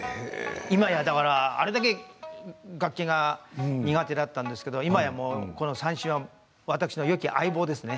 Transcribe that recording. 今やあれだけ楽器が苦手だったんですけど今や三線は私のよき相棒ですね。